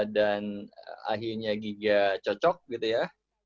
dan akhirnya giga cocok gitu ya